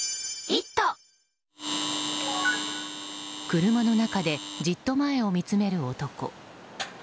車の中でじっと前を見つめる男。